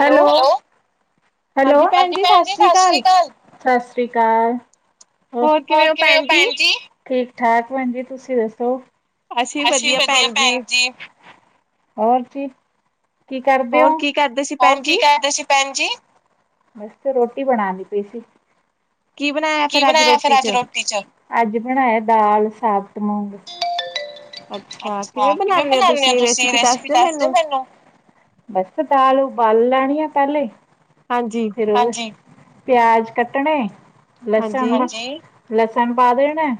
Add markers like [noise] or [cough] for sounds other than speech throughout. Hello, hello ਹਾਂਜੀ ਭੈਣਜੀ, ਸਤਿ ਸ਼੍ਰੀ ਕਾਲ, ਸਤਿ ਸ਼੍ਰੀ ਕਾਲ। ਹੋਰ ਕਿਵੇਂ ਹੋ ਭੈਣ ਜੀ? ਠੀਕ-ਠਾਕ ਭੈਣ ਜੀ। ਤੁਸੀਂ ਦੱਸੋ? ਅਸੀਂ ਵਧੀਆ ਭੈਣ ਜੀ। ਹੋਰ ਜੀ। ਕੀ ਕਰਦੇ ਹੋ? ਹੋਰ ਕੀ ਕਰਦੇ ਸੀ ਭੈਣ ਜੀ? ਬਸ ਰੋਟੀ ਰੋਟੀ ਬਣਾਂਦੀ ਪਈ ਸੀ। ਕੀ ਬਣਾਇਆ ਫਿਰ ਅੱਜ ਰੋਟੀ ਚ? ਅੱਜ ਬਣਾਇਆ ਦਾਲ ਸਾਬਤ ਮੁੰਗ ਅੱਛਾ, ਕਿਵੇਂ ਬਣਾਨੇ ਓ ਤੁਸੀਂ? ਰੈਸਪੀ ਦੱਸ ਦਿਓ ਮੈਨੂੰ? ਬਸ ਦਾਲ ਉਬਾਲ ਲੈਣੀ ਏ ਪੈਲੇ ਹਾਂਜੀ। ਪਿਆਜ ਕੱਟਣੇ ਲਸਣ, ਹਾਂਜੀ ਲਸਣ ਪਾ ਦੇਣਾ,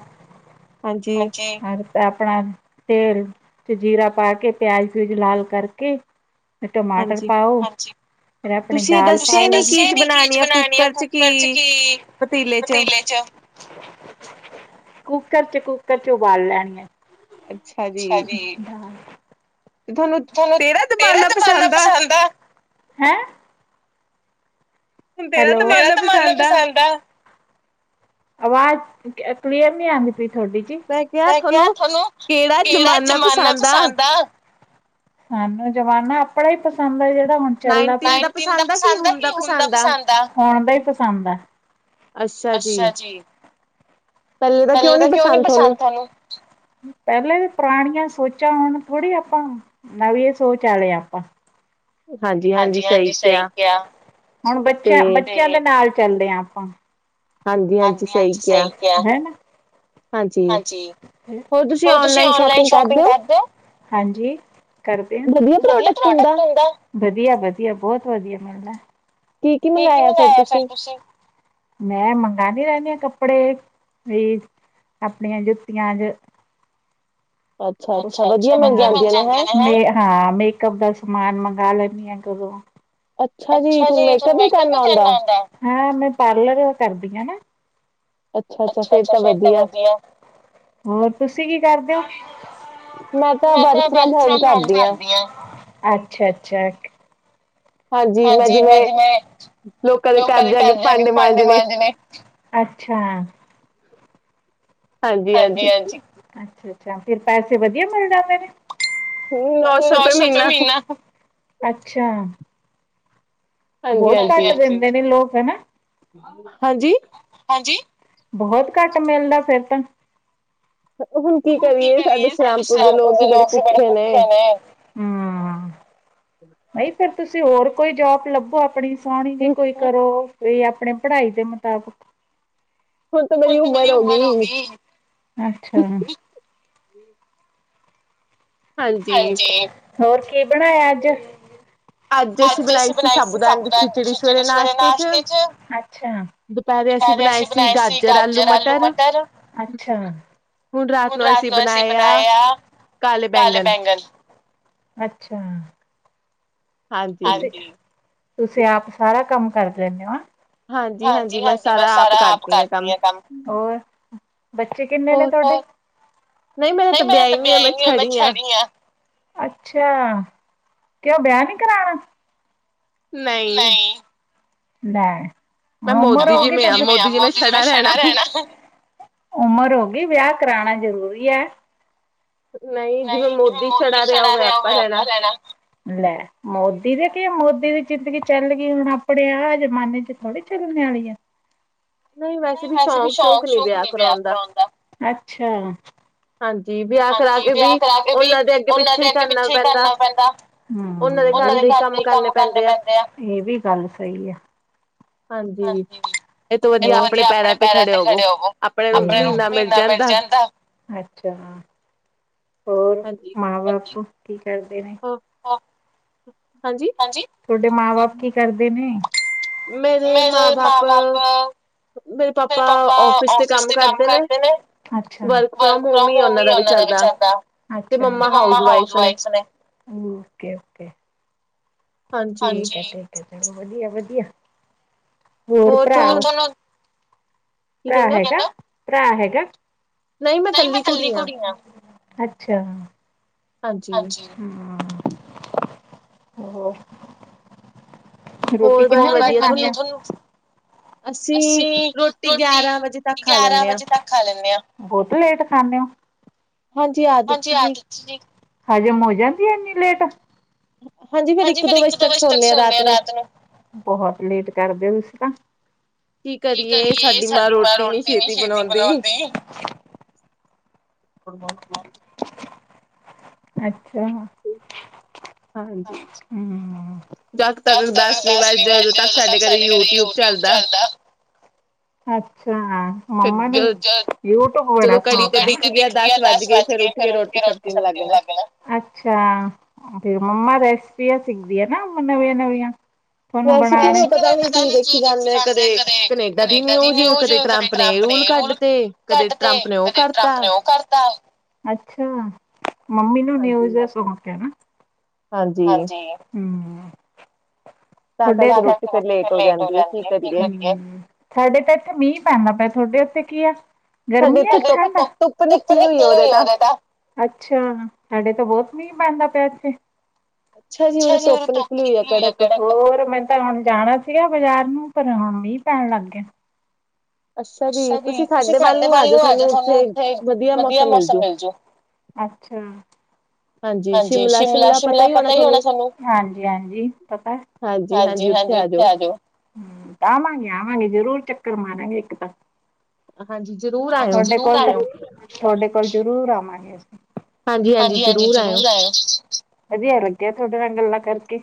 ਹਾਂਜੀ, ਆਪਣਾ ਤੇਲ ਚ ਜੀਰਾ ਪਾ ਕੇ ਪਿਆਜ਼ ਪਊਜ ਲਾਲ ਕਰਕੇ ਫ ਟਮਾਟਰ ਪਾਓ ਫਿਰ ਆਪਣੀ ਦਾਲ, ਤੁਸੀਂ ਦੱਸਿਆ ਨੀ ਕੀ ਚ ਬਣਾਣੀ ਆ ਕੁੱਕਰ ਚ ਕੀ ਪਤੀਲੇ ਚ ਕੂੱਕਰ ਚ ਕੂੱਕਰ ਚ ਉਬਾਲ ਲੈਣੀਆਂ। ਅੱਛਾ ਜੀ, ਤੁਹਾਨੂੰ ਤੇਰਾ ਦਬਾਨਾ ਪਸੰਦ ਆ ਹੈਂ। ਹੈਲੋ, ਤਮਾਨਾ ਪਸੰਦ ਐ। ਆਵਾਜ਼, ਕਲੀਅਰ ਨੀ ਆਦੀ ਪਈ ਤੁਹਾਡੀ ਜੀ, ਮੈਂ ਕਿਹਾ ਤੁਹਾਨੂੰ ਗੇਹੜਾ ਜ਼ਮਾਨਾ ਪਸੰਦ ਆ। ਸਾਨੂੰ ਜ਼ਵਾਨਾ ਆਪਣਾ ਹੀ ਪਸੰਦ ਹੈ ਜਿਹੜਾ ਹੁਣ ਚੱਲਦਾ ਨਾਈਟੀਨ ਦਾ ਪਸੰਦ ਆ। ਕਿ ਹੁਣ ਪਸੰਦ ਆ ਹੁਣ ਦਾ ਹੀ ਪਸੰਦ ਆ ਅੱਛਾ ਜੀ, ਪਹਿਲੇ ਦਾ ਕਿਉਂ ਨੀ ਪਸੰਦ ਤੁਹਾਨੂੰ ਪਹਿ ਪੁਰਾਣੀਆਂ ਸੋਚਾਂ ਹੁਣ ਥੋੜ੍ਹੀ ਆਪਾਂ ਨਵੀਂ ਸੋਚ ਵਾਲੇ ਆਪਾਂ ਹਾਂਜੀ ਹਾਂਜੀ, ਸਹੀ ਕਿਹਾ ਹੁਣ ਬੱਚਿਆਂ ਬੱਚਿਆਂ ਦੇ ਨਾਲ ਚੱਲਦੇ ਹਾਂ ਆਪਾਂ, ਹਾਂਜੀ ਹਾਂਜੀ, ਸਹੀ ਕਿਹਾ ਹਾਂਜੀ ਹੋਰ ਤੁਸੀ ਸ਼ਪਿੰਗ ਕਰਦੇ ਹੋ ਹਾਜੀ ਕਰਦੇ ਆ, ਵਧੀਆ ਪ੍ਰੋਡੈਕਟ ਹੁੰਦਾ। ਵਧੀਆ ਵਧੀਆ ਬਹੁਤ ਵਧੀਆ ਮਿਲਦਾ। ਕੀ ਕੀ ਮੰਗਵਾਆ ਫਿਰ ਤੁਸੀਂ, ਮੈਂ ਮੰਗਾਨੀ ਰਹਿੰਦੀ ਆ ਕੱਪੜ ਕੱਪੜੇ ਵੀ ਆਪਣੀਆਂ ਜੁੱਤੀਆਂ ਚ ਅ ਹਾਂ ਮੇਕਅਪ ਦਾ ਸਮਾਨ ਮਗਾ ਲੈਨੀ ਆਂ ਚਲੋ, ਅੱਛਾ ਜੀ ਤੁਹਾਨੂੰ ਮੇਕਅਪ ਵੀ ਕਰਨਾ ਆਦਾ। ਪਾਰਲਰ ਕਰਦੀ ਹੈ ਨਾ, ਅੱਛਾ ਅੱਛਾ ਫੇਰ ਤਾਂ ਵਧੀਆ ਹੋਰ ਤੁਸੀਂ ਕੀ ਕਰਦੇ ਹੋ। [unintelligible] ਮੈਂ ਵਰਕ ਫਰੋਮ ਹੋਮ ਕਰਦੀ ਆ ਅੱਛਾ ਅੱਛਾ, ਹਾਂਜੀ ਮੈਂ ਜਿਵੇਂ ਲੋਕਾਂ ਦੇ ਘਰ ਜਾ ਕੇ ਭਾਂਡੇ ਮਾਂਜਣੇ ਅੱਛਾ, ਹਾਂਜੀ ਹਾਂਜੀ। ਅੱਛਾ ਅੱਛਾ ਫਿਰ ਪੈਸੇ ਵਧੀਆ ਮਿਲ ਜਾਂਦੇ ਨੇ? ਉਹ ਆ ਸਕਦਾ ਮਹੀਨਾ ਕ ਅੱਛਾ। ਬਹੁਤ ਘੱਟ ਦਿੰਦੇ ਨੇ ਲੋਕ? ਹਨਾ। ਹਾਂਜੀ। ਹਾਂਜੀ ਬਹੁਤ ਘੱਟ ਮਿਲਦਾ ਫਿਰ ਤਾਂ। ਹੁਣ ਕੀ ਕਰੀਏ ਸਾਡੇ ਸਰਾਮਪੁਰ ਦੇ ਲੋਕ ਵੀ ਬੜੇ ਭੁੱਖੇ ਨੇ। ਤੁਸੀਂ ਹੋਰ ਕੋਈ ਜੋਬ ਲੱਭੋ ਆਪਣੀ? ਸੋਹਣੀ ਜੀ ਕੋਈ ਕਰੋ? ਵੀ ਆਪਣੇ ਪੜ੍ਹਾਈ ਦੇ ਮੁਤਾਬਕ। ਹੁਣ ਤਾਂ ਮੇਰੀ ਉਮਰ ਹੋ ਗਈ ਅੱਛਾ। ਹਾਂਜੀ। ਹੋਰ ਕੀ ਬਣਾਇਆ ਅੱਜ? ਅੱਜ ਅਸੀਂ ਬਣਾਈ ਸੀ ਸਾਬੂਦਾਨ ਖਿਚੜੀ ਸਵੇਰੇ ਨਾਸ਼ਤੇ ਚ ਅੱਛਾ ਦੁਪਹਿਰੇ ਅਸੀਂ ਬਣਾਏ ਸੀ ਗਾਜਰ, ਆਲੂ, ਮਟਰ ਅੱਛਾ ਹੁਣ ਰਾਤ ਨੂੰ ਅਸੀਂ ਬਣਾਏ ਆ ਕਾਲੇ ਬੈਂਗਣ। ਅੱਛਾ। ਹਾਂਜੀ। ਤੁਸੀਂ ਆਪ ਸਾਰਾ ਕੰਮ ਕਰ ਦਿੰਨੇ ਹੋ? ਹਾਂਜੀ ਹਾਂਜੀ ਮੈਂ ਸਾਰਾ ਆਪ ਕਰਦੀ ਹਾਂ ਕੰਮ। ਬੱਚੇ ਕਿੰਨੇ ਨੇ ਤੁਹਾਡੇ ਨਹੀਂ ਮੇਰਾ ਤਾਂ ਵਿਆਹ ਹੀ ਨਹੀਂ ਹੋਇਆ ਮੈਂ ਤਾਂ ਛੜੀ ਆ। ਅੱਛਾ ਕਿਉਂ ਵਿਆਹ ਨੀ? ਕਰਾਉਣਾ। ਨਹੀਂ? ਲੈ। ਹੁਣ ਉਮਰ ਹੋਗੀ ਹੁਣ ਜਿਵੇਂ ਮੋਦੀ ਜਿਵੇਂ ਛੜਾ ਰਹਿਣਾ ਉਮਰ ਹੋਗੀ ਵਿਆਹ ਕਰਾਣਾ ਜਰੂਰੀ। ਵਧੀਆ। ਨਹੀਂ ਜਿਵੇਂ ਮੋਦੀ ਛੜਾ ਰਿਹਾ ਉਹ ਵੇ ਆਪਾਂ ਰਹਿਣਾ ਲੈ ਮੋਦੀ ਦੇ ਕੀ ਆ। ਬੰਦੇ ਦੀ ਜ਼ਿੰਦਗੀ ਚੱਲ ਗਈ ਹੁਣ ਆਪਣੇ ਆਹ ਜਮਾਨੇ ਚ ਥੋੜ੍ਹੀ ਚੱਲਣ ਵਾਲੀ ਆ। ਨਹੀਂ ਵੈਸੇ ਵੀ ਸ਼ੌਕ ਸ਼ੋਕ ਨੀ ਵਿਆਹ ਕਰਾਉਣ ਦਾ ਅੱਛਾ। ਹਾਂਜੀ ਵਿਆਹ ਕਰਾ ਕੇ ਵੀ ਉਹਨਾਂ ਦੇ ਅੱਗੇ ਪਿੱਛੇ ਹੀ ਕਰਨਾ ਪੈਂਦਾ ਦੇ ਘਰ ਦੇ ਹੀ ਕੰਮ ਕਰਨੇ ਪੈਂਦੇ ਆ ਇਹ ਵੀ ਗੱਲ ਸਹੀ ਆ। ਹਾਂਜੀ ਇਹ ਤੋ ਵਧੀਆ ਆਪਣੇ ਪੈਰਾਂ ਤੇ ਖੜੇ ਹੋਵੋ ਆਪਣੇ ਨੂੰ ਮਹੀਨਾ ਮਿਲ ਜਾਂਦਾ ਹੈ। ਅੱਛਾ ਹੋਰ ਮਾਂ ਬਾਪ? ਕਰਦੇ ਨੇ ਓ ਹਾਂਜੀ? ਤੁਹਾਡੇ ਮਾਂ ਬਾਪ ਕੀ ਕਰਦੇ ਨੇ ਮੇਰੇ ਮਾਂ ਬਾਪ ਮੇਰੇ ਪਾਪਾ ਓਫਿਸ ਤੇ ਕੰਮ ਕਰਦੇ ਨੇ ਵਰਕ ਫਰੋਮ ਹੋਮ ਹੀ ਹੈ ਉਹਨਾਂ ਦਾ ਵੀ ਚਲਦਾ ਤੇ ਮੰਮਾ ਹਾਉਸ ਵਾਇਫ ਨੇ ਹਾਂਜੀ ਠੀਕ ਠੀਕ ਹੈ ਚਲੋ ਵਧੀਆ ਵਧੀਆ ਕੀਆ ਹੋਰ ਭਰਾ ਭਰਾ ਹੈਗਾ ਭਰਾ ਹੈਗਾ ਨਹੀਂ ਮੈਂ ਇਕੱਲੀ ਕੁੜੀ ਆ ਅੱਛਾ ਹਾਂਜੀ ਹਮ ਹੋਰ ਰੋਟੀ ਕਿੰਨੇ ਵਜੇ ਤਕ ਖਾਣੀ ਆ ਤੁਹਾਨੂੰ ਅਸੀਂ ਰੋਟੀ ਗਿਆਰਾਂ ਵਜੇ ਤੱਕ ਖਾ ਲੈਂਦੇ ਹਾਂ ਬਹੁਤ ਲੇਟ ਖਾਂਦੇ ਹੋ ਹਾਂਜੀ ਆਦਤ ਜੀ ਹਜ਼ਮ ਹੋ ਜਾਂਦੀ ਹੈ ਏਨੀ ਲੇਟ? ਹਾਂਜੀ ਫੇਰ ਇੱਕ ਦੋ ਵਜੇ ਤੱਕ ਸੌਦੇ ਹਾ ਰਾਤ ਨੂੰ ਬਹੁਤ ਲੇਟ ਕਰਦੇ ਹੋ ਤੁਸੀਂ ਤਾਂ ਕੀ ਕਰੀਏ ਸਾਡੀ ਮਾਂ ਰੋਟੀ ਨੀ ਛੇਤੀ ਬਣਾਉਂਦੀ ਪਰਮਹੁ ਅਛਾ ਹਮ। ਜਦ ਤੱਕ ਦਸ ਨੀ ਵਜਦੇ। ਉਹਦੋ ਤੱਕ ਸਾਡੇ ਘਰ ਯੂਟਿਊਬ ਚੱਲਦਾ ਅੱਛਾ ਹਾਂ ਮੰਮਾ ਯੂਟਿਊਬ ਬੜਾ ਸੁਣਾ। ਜਦੋ ਘੜੀ ਤੇ ਵਿਖ ਗਿਆ ਦਸ ਵਜ ਗਏ। ਅੱਛਾ ਮੰਮਾ ਵੈਸੇ ਸਿਖਦੀ ਸਿੱਖਦੀ ਆ ਨਾ ਨਵੀਆਂ ਨਵੀਆਂ ਰੈਸਿਪੀ ਪਤਾ ਨੀ ਕੀ ਦੇਖੀ ਜਾਂਦੇ ਕਦੇ ਕਨੇਡਾ ਕਨੇਡਾ ਦੀ ਨਿਊਜ਼ ਕਦੇ ਟਰੰਪ ਨੇ ਰੂਲ ਕਡਤੇ ਕਦੇ ਟਰਪ ਨੇ ਓਹ ਕਰਤਾ ਅਛਾ ਮੰਮੀ ਨੂੰ ਨਿਊਜ ਦਾ ਸ਼ੌਂਕ ਹੈ ਨਾ ਹਾਂਜੀ ਹਮ ਲੇਟ ਹੋ ਜ਼ਾਦੀ ਕੀ ਕਰੀਏ ਸਾਡੇ ਤਾਂ ਇਥੇ ਮੀਂਹ ਪੈਂਦਾ ਪਿਆ ਤੁਹਾਡੇ ਉੱਥੇ ਕੀ ਗਰਮੀ ਯਾ ਠੰਡ ਆ ਧੂਪ ਨਿਕਲੀ ਹੋਈ ਓਹਦੇ ਤਾ ਅੱਛਾ ਸਾਡੇ ਤਾਂ ਬਹੁਤ ਮੀਹ ਪੈਂਦਾ ਪਿਆ ਇੱਥੇ, ਅੱਛਾ ਜੀ ਉਰੇ ਧੁੱਪ ਨਿਕਲੀ ਆ ਕੜਕ ਹੋਰ ਮੈਂ ਤਾਂ ਹੁਣ ਜਾਣਾ ਸੀਗਾ ਮੈਂ ਸ਼ਰ ਨੂੰ ਪਰ ਹਾਂ ਮੀਂਹ ਪੈਣ ਲੱਗ ਗਿਆ। ਅੱਛਾ ਜੀ ਤੁਸੀਂ ਸਾਡੇ ਵੱਲ ਨੂੰ ਆ ਜਾ ਤੁਾਨੂੰ ਥੇ ਵਧਆ ਮੌਸਮ ਮਿਲਜੁ, ਅੱਛਾ। ਹਾਂਜੀ ਸ਼ਿਮਲਾ-ਸ਼ਿਮਲਾ ਪਤਾ ਹੀ ਹੋਣਾ ਸਾਨੂੰ ਹਾਂਜੀ ਹਾਂਜੀ ਪਤਾ, ਹਾਂਜੀ ਹਾਂਜੀ ਉਥੇ ਆ ਜਾਓ ਆਵਾਂਗੇ-ਆਵਾਂਗੇ ਜਰੂਰ। ਚੱਕਰ ਮਾਰਾਂਗੇ ਇੱਕ ਤਾਂ ਤੁਹਾਡੇ ਕੋਲ ਜਾ ਤੁਹਾਡੇ ਕੋਲ ਜਰੂਰ ਆ। [unintelligible] ਹਾਂਜੀ ਹਾਂਜੀ ਜ਼ਰੂਰ ਆਇਓ। ਵਧੀਆ ਲੱਗਿਆ ਤੁਹਾਡੇ ਨਾਲ ਗੱਲਾਂ ਕਰਕੇ,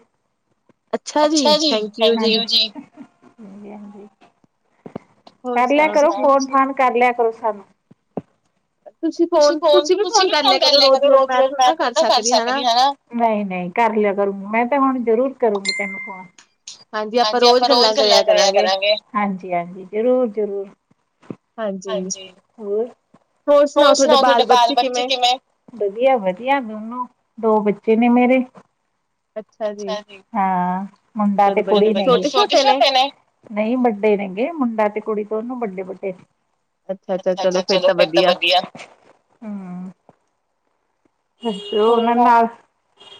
ਅੱਛਾ ਜੀ ਥੈਂਕ ਯੂ ਜੀ, ਹਾਂ ਕਰਲਿਆ ਕਰੋ ਫੋਨ ਫੁਨ, ਕਰ ਲਿਆ ਕਰੋ ਸਾਨੂੰ, ਤੁਸੀਂ ਫੋਨ ਤੁਸੀਂ ਵੀ ਫੋਨ ਕਰ ਲਿਆ ਕਰੋ ਰੋਜ਼ ਰੋਜ਼ ਮੈਂ ਥੋੜਾ ਨਾ ਕਰ ਸਕਦੀ ਆ ਹਨਾ ਨਹੀਂ ਨਹੀਂ ਕਰ ਲਿਆ ਕਰੋ ਮੈਂ ਤੇ ਹੁਣ ਜ਼ਰੂਰ ਕਰੋਗੀ ਤੈਨੂੰ ਫੋਨ ਹਾਂਜੀ ਆਪਾਂ ਰੋਜ਼ ਗੱਲਾਂ ਕਰਿਆ ਕਰਾਂਗੇ ਹਾਂਜੀ ਹਾਂਜੀ ਜ਼ਰੂਰ ਜ਼ਰੂਰ ਹਾਂਜੀ ਜ਼ੂਰ ਹੋਰ ਸੁਣਾਓ, ਤੁਹਾਡੇ ਬਾਲ ਬੱਚੇ ਕਿਵੇਂ? ਵਧੀਆ ਵਧੀਆ ਦੋਨੋ ਦੋ ਬੱਚੇ ਨੇ ਮੇਰੇ, ਹਾਂ ਮੁੰਡਾ ਤੇ ਕੁੜੀ ਨੇ ਛੋਟੇ ਛੋਟੇ ਨਹੀਂ ਵੱਡੇ ਨੇਗੇ ਮੁੰਡਾ ਤੇ ਕੁੜੀ ਦੋਨੋਂ ਵੱਡੇ ਵੱਡੇ, ਅੱਛਾ ਅੱਛਾ, ਚਲੋ ਫੇਰ ਤਾਂ ਵਧੀਆ, ਉਹਨਾਂ ਨਾਲ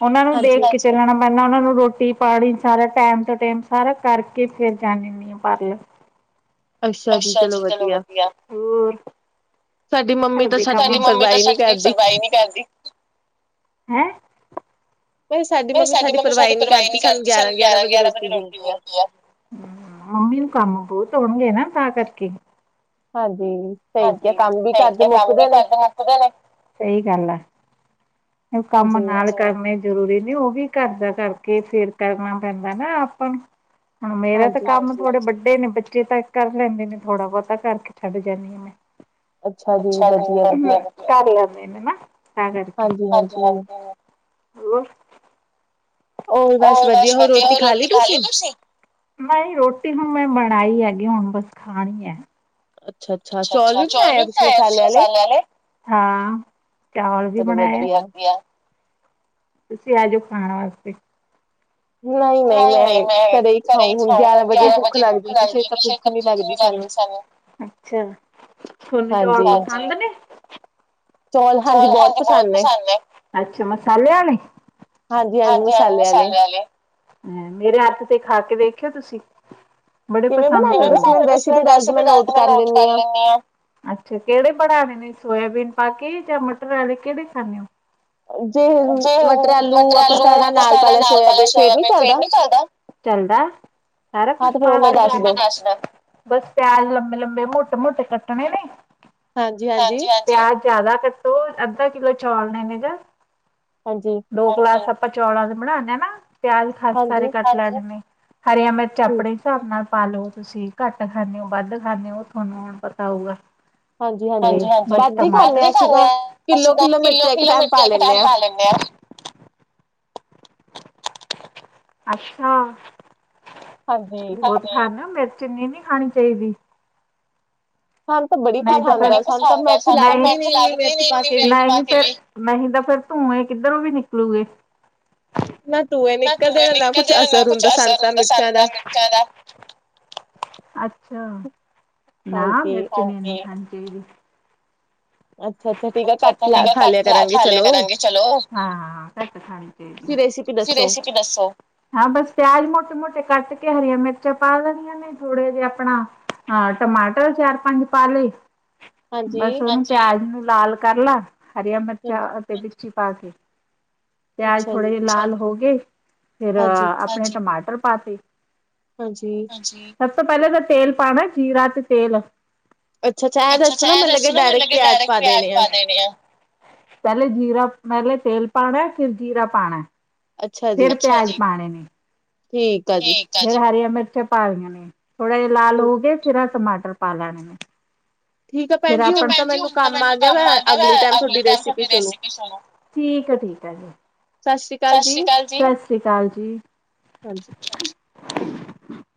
ਉਹਨਾਂ ਨੂੰ ਦੇਖ ਕੇ, ਪ ਉਹਨਾਂ ਨੂੰ ਰੋਟੀ ਪਾਣੀ ਸਾਰਾ ਟਾਈਮ ਤੋਂ ਟਾਈਮ ਸਾਰਾ ਕਰਕੇ ਫਿਰ ਜਾਂਨੀ ਹੁਨੀ ਆ ਪਾਰਲਰ ਅੱਛਾ ਜੀ ਚਲੋ ਵਧੀਆ ਸਾਡੀ ਮੰਮੀ ਤਾਂ ਸਾਡ ਦੀ ਸੁਣਵਾਈ ਨੀ ਕਰਦੀ। ਸਾਡੀ ਮੰਮੀ ਸਾਡੀ ਪਰਵਾ ਹੀ ਨੀ ਕਰਦੀ ਸਾਨੂੰ ਗਿਆਰਾਂ ਗਿਆਰਾਂ ਵਜੇ ਰੋਟੀ ਮਿਲਦੀ ਆ ਮੰਮੀ ਨੂੰ ਕੰਮ ਬਹੁਤ ਹੋਣਗੇ ਨਾ। ਤਾਂ ਕਰਕੇ, ਹਾਂਜੀ, ਹਾਂਜੀ ਕੰਮ ਵੀ ਕਰਦੇ ਮੁੱਦੇ ਨੇ ਸਹੀ ਗੱਲ ਆ ਕੰਮ ਨਾਲ ਕਰਨੇ ਜਰੂਰੀ ਨ ਉਹ ਵੀ ਘਰ ਦਾ ਘਰ ਕੇ ਫਿਰ ਕਰਨਾ ਪੈਂਦਾ ਨਾ ਆਪ ਨੂੰ ਹ ਮੇਰਾ ਤਾਂ ਕੰਮ ਥੋੜੇ ਵੱਡੇ ਨੇ ਬੱਚੇ ਜੇ ਤਾਂ ਕਰ ਲੈਂਦੇ ਨੇ, ਥੋੜਾ-ਬਹੁਤਾ ਕਰਕੇ ਛੱਡ ਜਾਂਨੀ ਆ। ਅੱਛਾ ਜੀ, ਵਧੀਆ ਵਧੀਆ। [inaudible] ਤਾਂ ਕਰਕੇ। ਹੋਰ। ਔਰ ਬਸ ਵਧੀਆ, ਰੋਟੀ ਖਾ ਲਈ ਤੁਸੀਂ ਨਈ ਰੋਟੀ ਹੂਨ ਮੈਂ ਬ ਬਣਾਈ ਹੈਗੀ, ਹੁਣ ਬਸ ਖਾਣੀ ਏ। ਅੱਛਾ ਅੱਛਾ ਚੌਲ ਵੀ ਬਣਾਏ ਆ ਤੁਸੀਂ ਮਸਾਲੇ ਆਲੇ। ਹਾਂ ਚੋਲ ਵੀ ਬਣਾਏ ਆ। ਚਲੋ ਵਧੀਆ। ਤੁਸੀਂ ਆ ਜਾਓ ਖਾਣ ਵਾਸਤੇ ਨਹੀਂ, ਨਹੀਂ, ਮੈਂ ਘਰੇ ਖਾਓ ਹੁਣ, ਗਿਆਰਾ ਵਜੇ ਭੁੱਖ ਲੱਗਦੀ ਏਨੀ ਸ਼ੇ ਤਾਂ ਭੁੱਖ ਨੀ ਲਗਦੀ ਸਾਨੂੰ। ਅੱਛਾ, ਹਨਜੀ, ਥੋਨੂੰ ਚੋਲ ਪਸੰਦ ਨੇ ਚੌਲ, ਹਾਂਜੀ, ਬਹੁਤ ਪਸੰਦ ਨੇ। ਅੱਛਾ, ਮਸਾਲੇ ਆਲੇ ਹਾਂਜੀ, ਹਾਂਜੀ, ਮਸਾਲੇ ਆਲ਼ੇ। ਹ ਮੇਰੇ ਹੱਥ ਖਾ ਕੇ ਵੇਖ ਆਖਿਆ ਤੁਸੀਂ। ਬੜੇ ਪਸੰਦ ਕਰੋਗੇ। ਅੱਛਾ, ਕਿਹੜੇ ਪੜ੍ਹਾ ਨੇ ਸੋਆਬੀਨ ਪਾਕੇ ਜਾਂ ਮਟਰ ਆਲੇ, ਕਿਹੜੇ ਖਾਂਦੇ ਹੋ ਜੇ ਮਟਰ-ਆਲੂ ਅਪਾ ਸਾਰਾ ਨਾਲ ਪਾਂ ਲਿਆ ਸੋਆਬੀਨ, ਫੇਰ ਨੀ ਚੱਲਦਾ। ਚਲਦਾ, ਸਾਰਾ ਕੁਛ ਪਾਂ। ਤੇ ਫੇ ਦਸਦੋ। ਬਸ ਪਿਆਜ ਲੰਬੇ-ਲੰਬੇ ਮੋ ਟੇ ਮੋਟੇ ਕੱਟਣੇ ਨੇ। ਹਾਂਜੀ, ਹਾਂਜੀ। ਪਿਆਜ ਜਿਆਦਾ ਕੱਟੋ, ਅੱਧਾ ਕਿੱਲੋ [unintelligible] ਦੋ ਗਲਾਸ ਅੱਪਾ ਚੋਲਾ ਦੇ ਬਣਾਣੇ ਆ ਨਾ ਪਿਆਜ ਖਾਸੇ ਸਾਰੇ ਕੱਟ ਲੈਣੇ ਨੇ। ਹਰਿਆ ਮਿਰਚਾ ਅੱਪਣੇ ਹਿਸਾਬ ਨਾਲ ਪਾ ਲੋ ਤੁਸੀਂ। ਘੱਟ ਖਾਂਨੇ ਓ, ਵੱਧ ਖਾਨੇ ਓ, ਤੁਹਾਨੂੰ ਹੁਣ ਪਤਾ ਹੋਊਗਾ। ਹਾਂਜੀ ਹਾਂਜੀ, ਵੱਧ ਹੀ ਖਾਨੇ ਆ ਅਸੀਂ ਤਾਂ, ਕਿੱਲੋ-ਕਿੱਲੋ ਮਿਰਚਾ ਇੱਕ ਟਾਈਮ ਪਾ ਲੈ ਚੱਲ ਪਾ ਲੈਨੇ ਆ। ਅੱਛਾ। ਆ ਨਾ ਮਿਰਚ ਚੀਨੀ ਨੀ ਖਾਣੀ ਚਾਹੀਦੀ। ਸਾਨੂੰ ਤਾਂ ਬੜੀ ਪਸੰਦ ਆ, ਸਾਨੂੰ ਤਾਂ ਮਿਰਚ ਲੱਗਦੀ ਨੀ ਇੰਨੀ ਮਿਰਚ ਪਾ ਕੇ ਵੀ। ਨਈ, ਨਹੀਂ ਤਾਂ ਫਿਰ ਧੂੰਏ ਕਿੱਧਰੋਂ ਵੀ ਨਿਕਲ ਨਿਕਲੁਗੇ। ਨਾ ਤੂੰਏ ਨਿਕਲਦੇ ਨਾ, ਨਾ ਕੁਛ ਅਸਰ ਹੁੰਦਾ ਸਾਨੂੰ ਤਾਂ ਮਿਰਚਾਂ ਦਾ। ਅੱਛਾ ਨਾ ਵ ਨੇ [unintelligible] ਅੱਛ। ਅੱਛਾ ਅੱਛਾ ਠੀਕ ਘੱਟ ਖਾ ਲਿਆ ਕਰਾਂਗੇ ਚਲੋੱ ਤੁਸੀ ਰੇਸੀਪੀ ਦੱਸੋ ਹਾਂ ਬਸ ਪਿਆਜ਼ ਮੋਟੇ ਮੋਟੇ ਕੱਟ ਤੇ ਹਰੀਆਂ ਮਿਰਚਾਂ ਪਾ ਦੇਣੀਆਂ ਨੇ ਥੋੜੇ ਜਿਹੇ ਆਪਣਾ ਅਹ ਟਮਾਟਰ ਚਾਰ ਪੰਜ ਪਾ ਲਏ। ਬਸ ਉਹਨ ਪਿਆਜ ਨੂੰ ਲਾਲ ਕਰ ਲਾ। ਹਰੀਆਂ ਮਿਰਚਾਂ ਅਤੇ ਵਿ ਪਾ ਕੇ ਪਿਆਜ ਥੋੜੇ ਲਾਲ ਹੋ ਗਏ ਫੇਰ ਆਪਣੇ ਟਮਾਟਰ ਪਾ ਤੀ ਹਾਂਜੀ। ਤੋਂ ਪਹਿਲਾਂ ਤਾਂ ਤੇਲ ਪਾਣਾ ਜੀਰਾ ਤੇ ਤੇਲ ਅੱਛਾ। ਅੱਛਾ-ਅੱਛਾ। ਇਹ ਦੱਸੋ ਨਾ ਡਾਇਰੈਕਟ ਪਿਆਜ ਪਾ ਦੇਣੇ ਆ। ਪਹਿਲੇ ਜੀਰਾ ਪਹਿਲੇ ਤੇਲ ਪਾਣਾ ਫਿਰ ਜੀਰਾ ਪਾਣਾ ਫਿਰ ਪਿਆਜ਼ ਪਾਣੇ ਨੇ ਫਿਰ ਹਰੀਆਂ ਮਿਰਚਾਂ ਪਾਈਆ ਨੇ ਥੋੜੇ ਲਾਲ ਹੋਗੇ ਫਿਰ ਟਮਾਟਰ ਪਾ ਲੈਣੇ ਨੇ ਭੈਣ ਜੀ ਹੁਣ ਤਾਂ ਮੈਨੂੰ ਕੰਮ ਆ ਗਿਆ ਅਗਲੀ ਅਲੀ ਰਸਪੀ ਠੀਕ ਆ ਠੀਕ ਆ ਸਤ ਸ੍ਰੀ ਅਕਾਲ ਜੀ ਸਤ ਸ੍ਰੀ ਅਕਾਲ ਜੀ [inaudible] [inaudible]